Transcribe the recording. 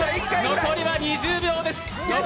残りは２０秒です。